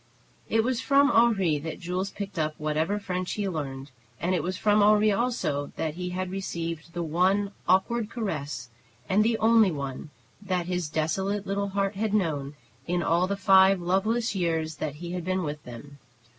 It was from Henri that Jules picked up whatever French he learned, and it was from Henri also that he had received the one awkward caress, and the only one, that his desolate little heart had known in all the five loveless years that he had been with them.